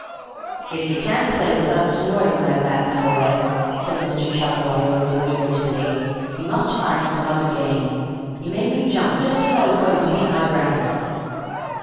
"If you can't play without snorting like that, my boy," said Mr. Chugwater, a little irritably, "you must find some other game. You made me jump just as I was going to beat my record."